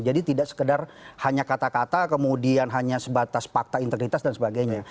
jadi tidak sekedar hanya kata kata kemudian hanya sebatas fakta integritas dan sebagainya